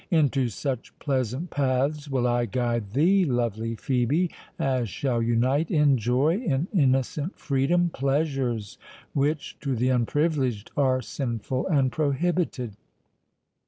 Into such pleasant paths will I guide thee, lovely Phœbe, as shall unite in joy, in innocent freedom, pleasures, which, to the unprivileged, are sinful and prohibited."